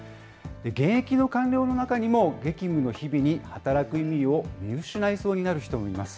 現役の官僚の中にも、激務の日々に働く意義を見失いそうになる人もいます。